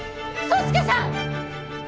宗介さん！